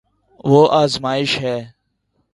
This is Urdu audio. وہ ازماش ہے